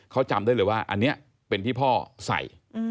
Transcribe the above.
เขาจำได้เลยว่าอันนี้เป็นที่พ่อใส่